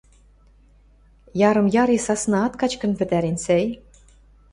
Ярым яре саснаат качкын пӹтӓрен, сӓй...